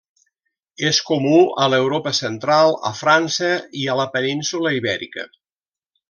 És comú a l'Europa central, a França i a la península Ibèrica.